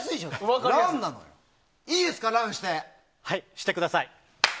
してください。